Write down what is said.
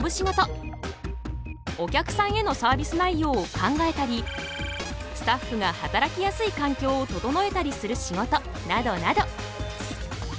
お客さんへのサービス内容を考えたりスタッフが働きやすい環境を整えたりする仕事などなど。